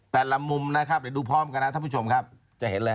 แต่ละมุมนะครับไปดูพร้อมก้อน้าท่วงพี่ชมครับอึดเค้ล้งคือ